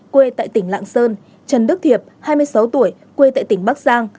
quê tại tỉnh lạng sơn trần đức thiệp hai mươi sáu tuổi quê tại tỉnh bắc giang